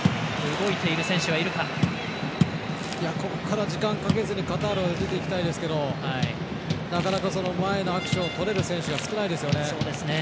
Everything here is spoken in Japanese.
ここから時間かけずにカタールは出ていきたいですけどなかなか、前のアクションをとれる選手が少ないですよね。